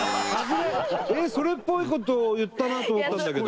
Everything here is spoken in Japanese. それっぽい事言ったなと思ったんだけど。